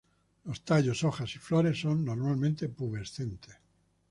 Los tallos, hojas y flores son normalmente pubescentes.